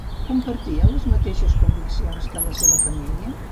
Compartia les mateixes conviccions que la seva família?